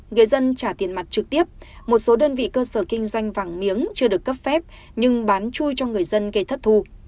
người dân trả tiền mặt trực tiếp một số đơn vị cơ sở kinh doanh vàng miếng chưa được cấp phép nhưng bán chui cho người dân gây thất thu